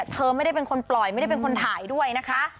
เธอไม่ได้เป็นคนปล่อยไม่ได้เป็นคนถ่ายด้วยนะคะ